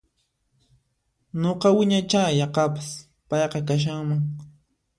Nuqa wiñaicha yaqapas payqa kashanman